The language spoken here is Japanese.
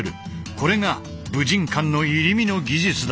これが武神館の入身の技術だ。